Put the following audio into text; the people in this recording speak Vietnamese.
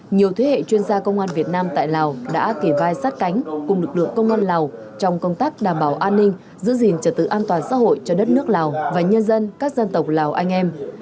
nhiều thế hệ chuyên gia công an việt nam tại lào đã kề vai sát cánh cùng lực lượng công an lào trong công tác đảm bảo an ninh giữ gìn trật tự an toàn xã hội cho đất nước lào và nhân dân các dân tộc lào anh em